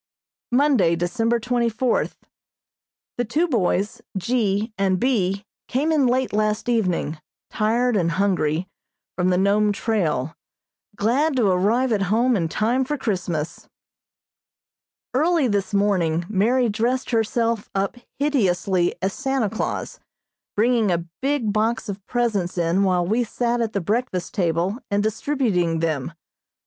Monday, December twenty fourth: The two boys, G. and B., came in late last evening, tired and hungry, from the Nome trail, glad to arrive at home in time for Christmas. Early this morning Mary dressed herself up hideously as Santa Claus, bringing a big box of presents in while we sat at the breakfast table and distributing them.